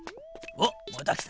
おっまた来た。